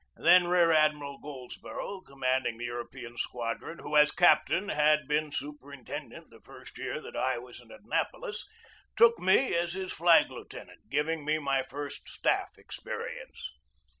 Then Rear Admiral Goldsborough, commanding the Eu ropean Squadron, who as captain had been superin tendent the first year that I was at Annapolis, took me as his flag lieutenant, giving me my first staff experience.